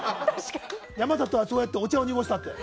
山里はそうやってお茶を濁したって。